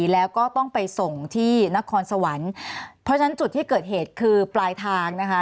แล้วก็ต้องไปส่งที่นครสวรรค์เพราะฉะนั้นจุดที่เกิดเหตุคือปลายทางนะคะ